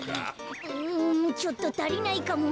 うんちょっとたりないかも。